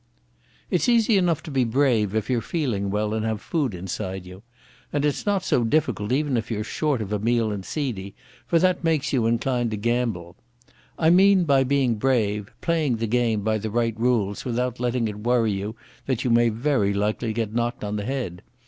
_It's easy enough to be brave if you're feeling well and have food inside you. And it's not so difficult even if you're short of a meal and seedy, for that makes you inclined to gamble. I mean by being brave playing the game by the right rules without letting it worry you that you may very likely get knocked on the head.